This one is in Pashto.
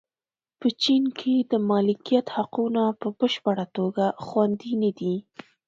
په چین کې د مالکیت حقونه په بشپړه توګه خوندي نه دي.